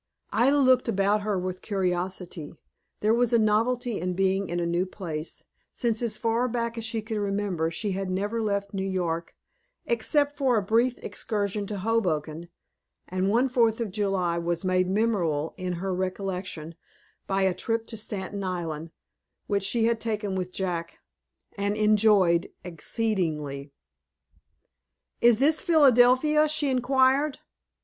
Ida looked about her with curiosity. There was a novelty in being in a new place, since, as far back as she could remember, she had never left New York, except for a brief excursion to Hoboken; and one Fourth of July was made memorable in her recollection, by a trip to Staten Island, which she had taken with Jack, and enjoyed exceedingly. "Is this Philadelphia?" she inquired.